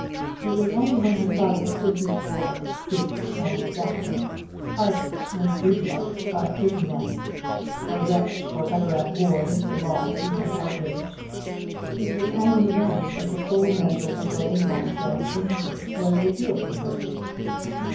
It was only when her father stood before her, fierce and exacting, hardened and brutalized by prison life, a wretch for ever at war with the laws he had outraged, it was only then that the full measure of Roland Lansdell's danger was revealed to her.